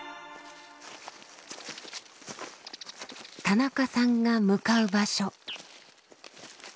田中さんが向かう場所。